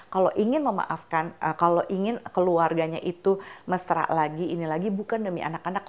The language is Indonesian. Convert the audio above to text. kalau ingin memaafkan kalau ingin keluarganya itu mesra lagi ini lagi bukan demi anak anak